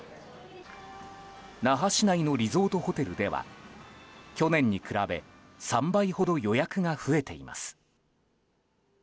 那覇市内のリゾートホテルでは去年に比べ３倍ほど予約が増えています。